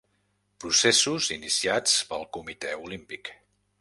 Processos iniciats pel Comitè Olímpic.